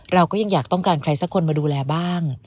เราก็ยังอยากต้องการใครสักคนมาดูแลบ้าง